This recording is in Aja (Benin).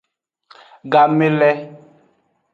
Game le.